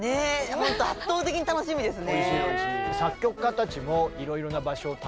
ほんと圧倒的に楽しみですね。